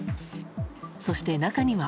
そして、中には。